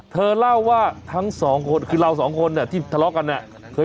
เธอเล่าว่าทั้งสองคนคือเราสองคนที่ทะเลาะกันเนี่ย